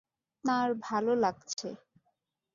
তাঁর ভালো লাগছে।